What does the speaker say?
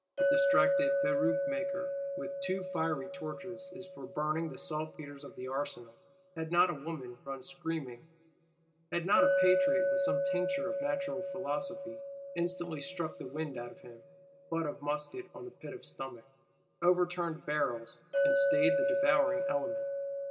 A distracted "Peruke maker with two fiery torches" is for burning "the saltpetres of the Arsenal;"—had not a woman run screaming; had not a Patriot, with some tincture of Natural Philosophy, instantly struck the wind out of him (butt of musket on pit of stomach), overturned barrels, and stayed the devouring element.